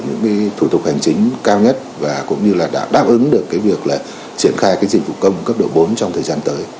những thủ tục hành chính cao nhất và cũng như là đáp ứng được việc triển khai dịch vụ công cấp độ bốn trong thời gian tới